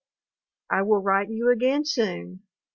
I will write you again soon.